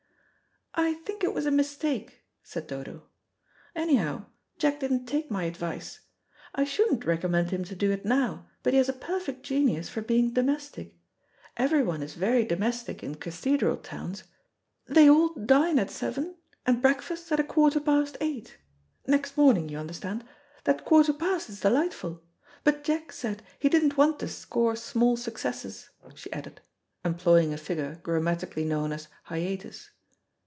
"I think it was a mistake," said Dodo. "Anyhow, Jack didn't take my advice. I shouldn't recommend him to do it now, but he has a perfect genius for being domestic. Everyone is very domestic in cathedral towns. They all dine at seven and breakfast at a quarter past eight next morning, you understand. That quarter past is delightful. But Jack said he didn't want to score small successes," she added, employing a figure grammatically known as "hiatus."